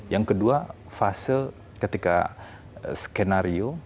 yang kedua fase ketika skenario